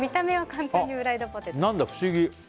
何か、不思議。